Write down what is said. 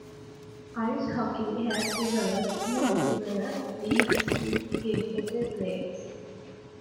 Ice Hockey has developed youth developed leagues to get better players.